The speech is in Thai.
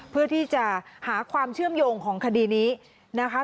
เพื่อที่จะหาความเชื่อมโยงของคดีนี้นะคะ